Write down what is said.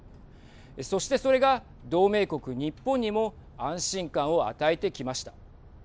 そして、それが同盟国日本にも安心感を与えてきました。